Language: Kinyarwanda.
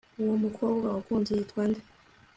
uwo mukobwa wakunze yitwa nde